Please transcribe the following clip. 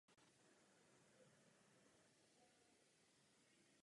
Vzala v úvahu skutečnou realitu a vyjádřila rozumné cíle.